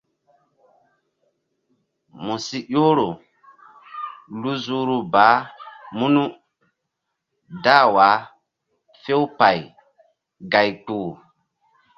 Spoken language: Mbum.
Mu si ƴohro lu zuhru baah munu dah wah few pay gáy kpah.